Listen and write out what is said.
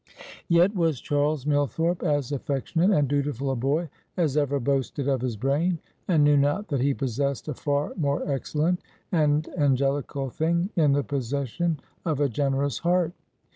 Yet was Charles Millthorpe as affectionate and dutiful a boy as ever boasted of his brain, and knew not that he possessed a far more excellent and angelical thing in the possession of a generous heart.